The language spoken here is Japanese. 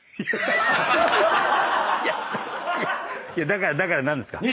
だからだから何ですか？